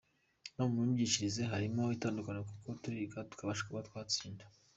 No mu myigishirize harimo itandukaniro kuko turiga neza tukabasha kuba twatsinda.